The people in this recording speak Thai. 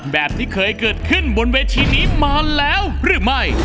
แบบที่เคยเกิดขึ้นบนเวทีนี้มาแล้วหรือไม่